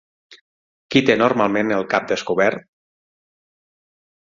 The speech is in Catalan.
Qui té normalment el cap descobert?